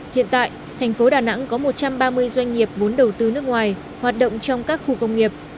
hiện tại thành phố đà nẵng có một trăm ba mươi doanh nghiệp vốn đầu tư nước ngoài hoạt động trong các khu công nghiệp